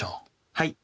はい。